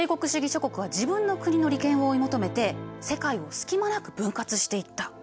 諸国は自分の国の利権を追い求めて世界を隙間なく分割していった。